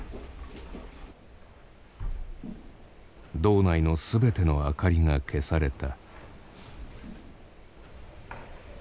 堂内の全ての明かりが消された。